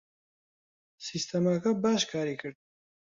سیستەمەکە باش کاری کرد.